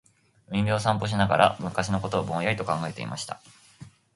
•海辺を散歩しながら、昔のことをぼんやりと考えていました。